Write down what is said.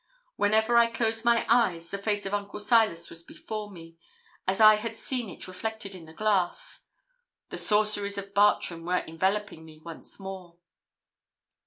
Whenever I closed my eyes, the face of Uncle Silas was before me, as I had seen it reflected in the glass. The sorceries of Bartram were enveloping me once more.